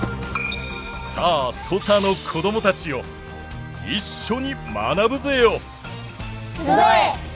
さあ土佐の子どもたちよ一緒に学ぶぜよ！